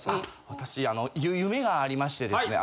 私夢がありましてですね。